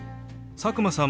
佐久間さん